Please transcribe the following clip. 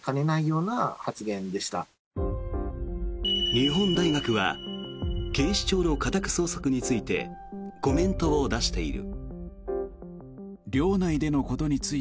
日本大学は警視庁の家宅捜索についてコメントを出している。